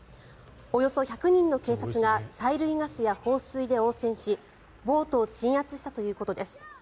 およそ１００人の警察が催涙ガスや放水で応戦し暴徒を鎮圧したということです。